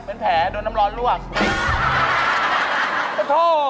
เป็นแผลโดนน้ำร้อนลวก